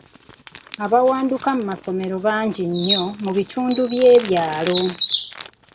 Abawanduka mu masomero bangi nnyo mu bitundu by'ebyalo.